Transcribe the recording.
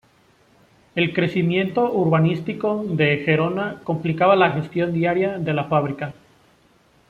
El crecimiento urbanístico de Gerona complicaba la gestión diaria de la fábrica.